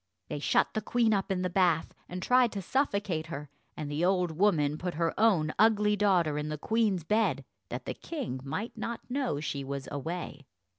They shut the queen up in the bath, and tried to suffocate her, and the old woman put her own ugly daughter in the queen's bed that the king might not know she was away.